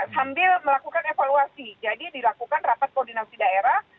sambil melakukan evaluasi jadi dilakukan rapat koordinasi daerah